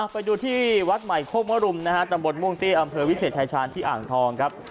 ไปดูที่วัดใหม่โคกมรุมนะฮะตำบลม่วงเตี้ยอำเภอวิเศษชายชาญที่อ่างทองครับ